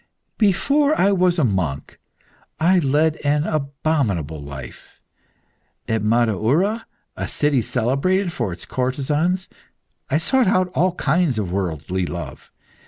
Before I was a monk, I led an abominable life. At Madaura, a city celebrated for its courtesans, I sought out all kinds of worldly love.